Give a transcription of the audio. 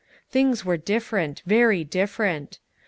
"Things were different," very different.